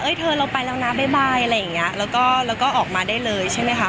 เธอเราไปแล้วนะบ๊ายอะไรอย่างเงี้ยแล้วก็ออกมาได้เลยใช่ไหมคะ